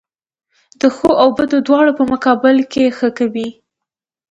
د ښو او بدو دواړو په مقابل کښي ښه کوئ!